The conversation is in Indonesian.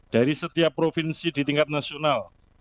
dari setiap provinsi di tingkat nasional